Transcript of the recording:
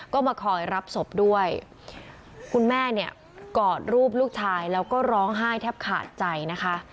ก็มาคอยรับศพด้วยคุณแม่เนี่ยกอดรูปลูกชายแล้วก็ร้องไห้แทบขาดใจนะคะ